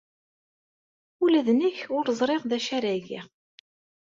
Ula d nekk ur ẓriɣ d acu ara geɣ.